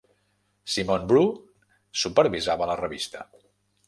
Simon Brew supervisava la revista.